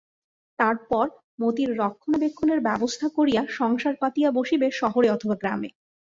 তারপর মতির রক্ষণাবেক্ষণের ব্যবস্থা করিয়া সংসার পাতিয়া বসিবে শহরে অথবা গ্রামে।